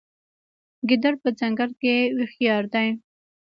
ګیدړ په ځنګل کې هوښیار دی.